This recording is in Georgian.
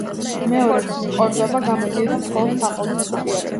მეორე კორდობა გამოდიოდა მხოლოდ ქაღალდის კუპიურებით.